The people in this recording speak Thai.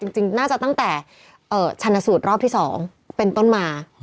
จริงน่าจะตั้งแต่ชันสูตรรอบที่๒เป็นต้นมา